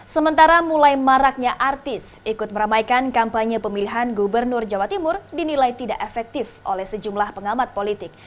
sementara mulai maraknya artis ikut meramaikan kampanye pemilihan gubernur jawa timur dinilai tidak efektif oleh sejumlah pengamat politik